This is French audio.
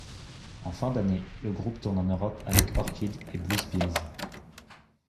En fin d'année le groupe tourne en Europe avec Orchid et Blues Pills.